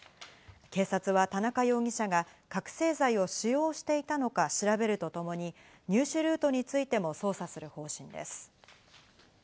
警察は田中容疑者が覚醒剤を使用していたのか調べるとともに、入手ルートについても捜査する方針です。